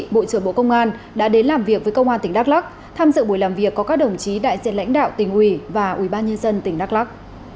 bộ trưởng bộ công an đã đến làm việc với công an tỉnh đắk lắc tham dự buổi làm việc có các đồng chí đại diện lãnh đạo tỉnh ủy và ủy ban nhân dân tỉnh đắk lắc